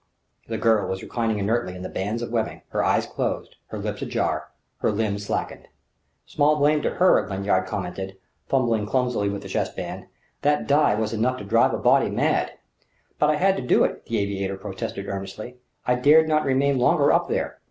The girl was reclining inertly in the bands of webbing, her eyes closed, her lips ajar, her limbs slackened. "Small blame to her!" Lanyard commented, fumbling clumsily with the chest band. "That dive was enough to drive a body mad!" "But I had to do it!" the aviator protested earnestly. "I dared not remain longer up there.